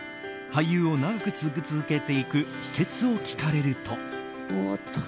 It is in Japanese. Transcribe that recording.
俳優を長く続けていく秘訣を聞かれると。